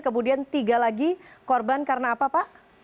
kemudian tiga lagi korban karena apa pak